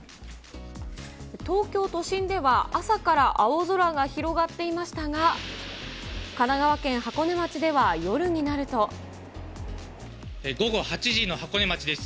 東京都心では朝から青空が広がっていましたが、午後８時の箱根町です。